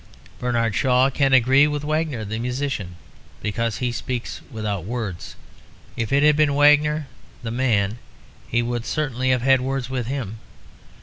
Bernard Shaw can agree with Wagner, the musician, because he speaks without words; if it had been Wagner the man he would certainly have had words with him.